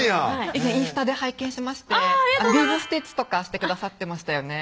以前インスタで拝見しましてビーズステッチとかしてくださってましたよね